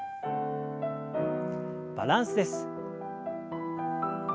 バランスです。